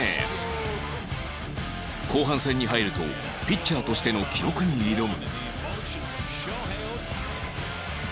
後半戦に入るとピッチャーとしての記録に挑む